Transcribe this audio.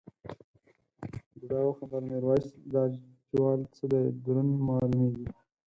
بوډا وخندل میرويس دا جوال څه دی دروند مالومېږي.